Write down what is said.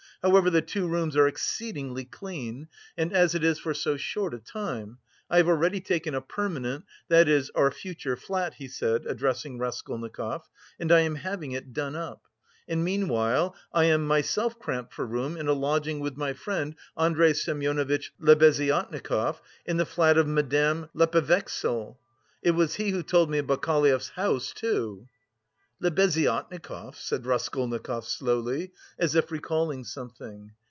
"However, the two rooms are exceedingly clean, and as it is for so short a time... I have already taken a permanent, that is, our future flat," he said, addressing Raskolnikov, "and I am having it done up. And meanwhile I am myself cramped for room in a lodging with my friend Andrey Semyonovitch Lebeziatnikov, in the flat of Madame Lippevechsel; it was he who told me of Bakaleyev's house, too..." "Lebeziatnikov?" said Raskolnikov slowly, as if recalling something.